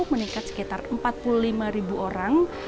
meningkat sekitar empat puluh lima ribu orang